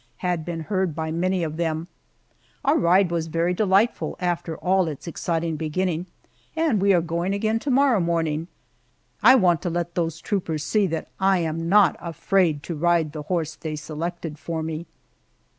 had been heard by many of them. Our ride was very delightful after all its exciting beginning, and we are going again to morrow morning. I want to let those troopers see that I am not afraid to ride the horse they selected for me.